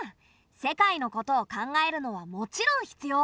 世界のことを考えるのはもちろん必要。